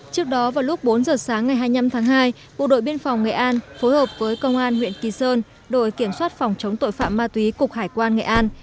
trước đó vào lúc bốn giờ sáng ngày hai mươi năm tháng hai bộ đội biên phòng nghệ an phối hợp với công an huyện kỳ sơn đội kiểm soát phòng chống tội phạm ma túy cục hải quan nghệ an